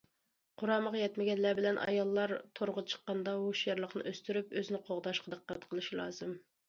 قۇرامىغا يەتمىگەنلەر بىلەن ئاياللار تورغا چىققاندا ھوشيارلىقىنى ئۆستۈرۈپ، ئۆزىنى قوغداشقا دىققەت قىلىشى لازىم.